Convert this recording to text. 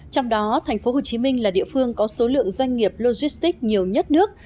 trong đó thành phố hồ chí minh là địa phương có số lượng doanh nghiệp logistics nhiều nhất nước